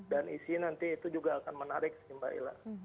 dan isi nanti itu juga akan menarik sih mbak ila